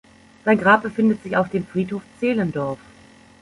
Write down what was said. Sein Grab befindet sich auf dem Friedhof Zehlendorf.